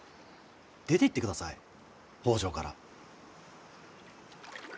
出ていってください北条から。